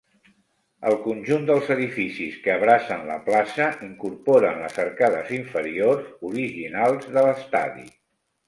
El conjunt dels edificis que abracen la plaça incorporen les arcades inferiors originals de l'Estadi.